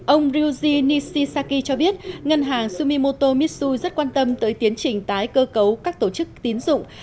ông ryuji nishisaki cho biết ngân hàng sumimoto mitsui rất quan tâm tới tiến trình tái cơ cấu các tổ chức tín dụng